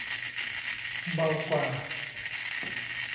เบากว่า